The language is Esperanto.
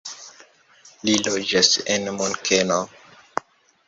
Li loĝas en Munkeno.